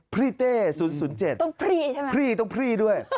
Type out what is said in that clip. พรีเต้ศูนย์ศูนย์เจ็ดต้องพรีใช่ไหมพรีต้องพรีด้วย